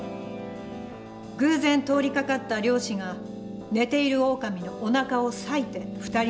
偶然通りかかった猟師が寝ているオオカミのおなかを裂いて２人を救出。